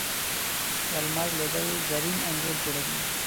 د لمر لوېدل زرین انځور جوړوي